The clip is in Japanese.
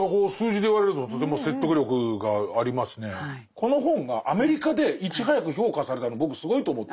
この本がアメリカでいち早く評価されたの僕すごいと思って。